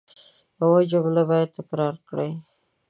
یو جمله باید تکرار کړئ.